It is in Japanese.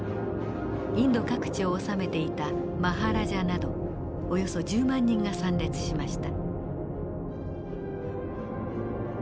インド各地を治めていたマハラジャなどおよそ１０万人が参列しました。